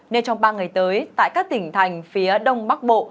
nên trong ba ngày tới tại các tỉnh thành phía đông bắc bộ